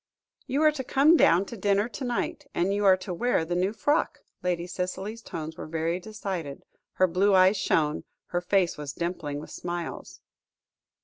"You are to come down to dinner to night, and you are to wear the new frock," Lady Cicely's tones were very decided, her blue eyes shone, her face was dimpling with smiles.